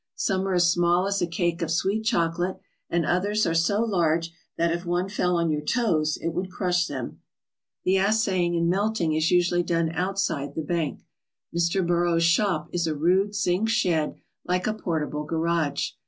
Some are as small as a cake of sweet chocolate and others are so large that if one fell on your toes it would crush them. The assaying and melting is usually done outside the bank. Mr. Beraud's shop is a rude zinc shed like a portable garage.